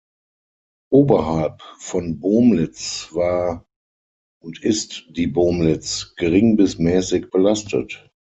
Oberhalb von Bomlitz war und ist die Bomlitz gering bis mäßig belastet.